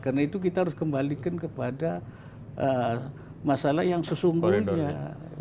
karena itu kita harus kembalikan kepada masalah yang sesungguhnya